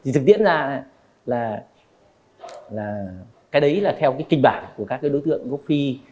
thực tiễn ra là cái đấy là theo kinh bản của các đối tượng gốc phi